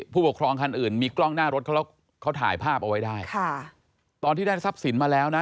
ผู้ปกครองคันอื่นมีกล้องหน้ารถเขาแล้วเขาถ่ายภาพเอาไว้ได้ค่ะตอนที่ได้ทรัพย์สินมาแล้วนะ